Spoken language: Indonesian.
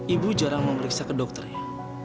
ibu jarang memeriksa ke dokternya